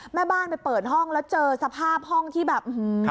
แม่บ้านไปเปิดห้องแล้วเจอสภาพห้องที่แบบ